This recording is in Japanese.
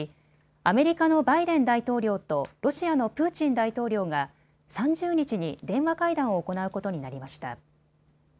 アメリカのバイデン大統領とロシアのプーチン大統領が３０日に電話会談を行うことになりました。